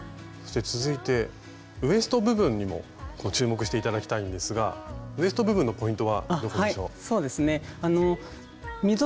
そして続いてウエスト部分にも注目して頂きたいんですがウエスト部分のポイントはどこでしょう？